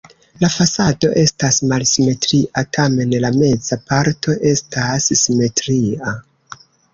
La fasado estas malsimetria, tamen la meza parto estas simetria.